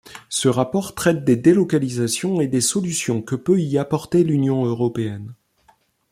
Ce rapport traite des délocalisations et des solutions que peut y apporter l'Union Européenne.